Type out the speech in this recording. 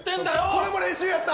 これも練習やった！